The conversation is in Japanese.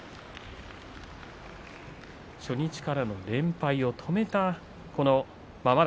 初日からの連敗を止めました。